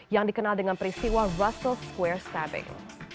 yang dikenal dengan peristiwa russell square stabbing